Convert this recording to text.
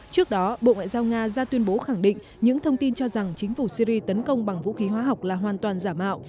trước đó bộ ngoại giao nga ra tuyên bố khẳng định những thông tin cho rằng chính phủ syri tấn công bằng vũ khí hóa học là hoàn toàn giả mạo